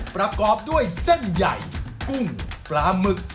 ประกอบด้วยเส้นใหญ่กุ้งปลาหมึก